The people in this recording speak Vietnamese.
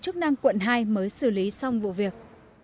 chức năng quận hai mới xử lý xong vụ việc